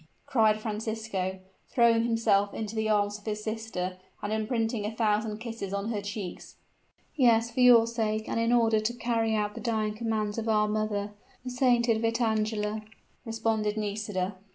cried Francisco, throwing himself into the arms of his sister and imprinting a thousand kisses on her cheeks. "Yes for your sake and in order to carry out the dying commands of our mother, the sainted Vitangela?" responded Nisida.